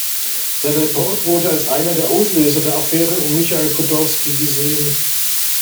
Sein Report wurde als einer der Auslöser der Affäre um Michail Chodorkowski gesehen.